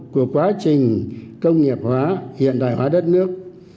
của quá trình công nghiệp hóa hiện đại hóa đất nước